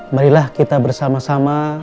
marilah kita bersama sama